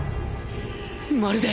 まるで